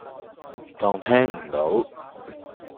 當聽唔到